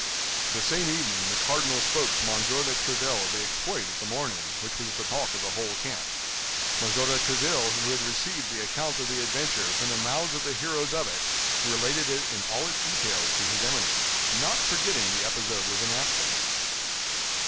The same evening the cardinal spoke to M. de Tréville of the exploit of the morning, which was the talk of the whole camp. M. de Tréville, who had received the account of the adventure from the mouths of the heroes of it, related it in all its details to his Eminence, not forgetting the episode of the napkin.